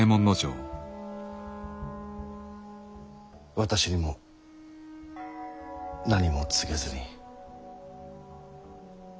私にも何も告げずに。